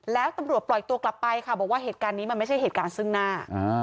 แล้วตำรวจปล่อยตัวกลับไปค่ะบอกว่าเหตุการณ์นี้มันไม่ใช่เหตุการณ์ซึ่งหน้า